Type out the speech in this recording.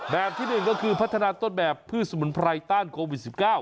แบบที่๑ก็คือพัฒนาต้นแบบพืชสมุนไพรต้านโควิด๑๙